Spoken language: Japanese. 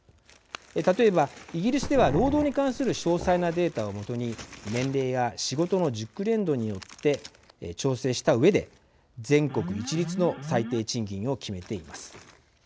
例えばイギリスでは労働に関する詳細なデータを基に年齢や仕事の熟練度によって調整したうえで全国一律の最低賃金を決めています。